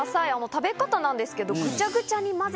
食べ方なんですけど。